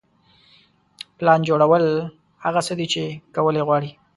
پلان جوړول هغه څه دي چې کول یې غواړئ.